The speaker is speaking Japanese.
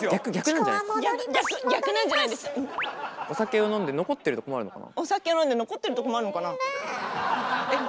「お酒を飲んで残ってると困るのかな？」。